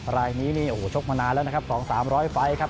รายนี้นี่โอ้โหชกมานานแล้วนะครับ๒๓๐๐ไฟล์ครับ